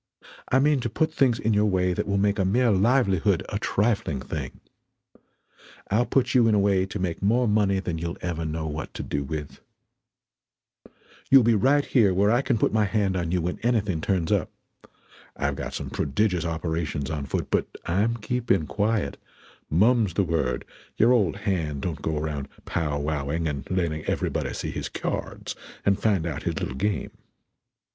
I mean to put things in your way than will make a mere livelihood a trifling thing. I'll put you in a way to make more money that you'll ever know what to do with. You'll be right here where I can put my hand on you when anything turns up. I've got some prodigious operations on foot; but I'm keeping quiet; mum's the word; your old hand don't go around pow wowing and letting everybody see his k'yards and find out his little game.